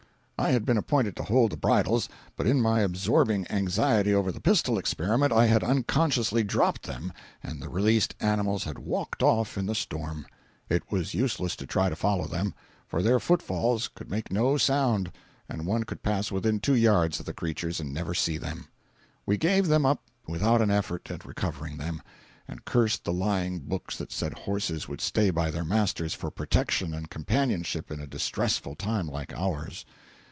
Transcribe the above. I had been appointed to hold the bridles, but in my absorbing anxiety over the pistol experiment I had unconsciously dropped them and the released animals had walked off in the storm. It was useless to try to follow them, for their footfalls could make no sound, and one could pass within two yards of the creatures and never see them. We gave them up without an effort at recovering them, and cursed the lying books that said horses would stay by their masters for protection and companionship in a distressful time like ours.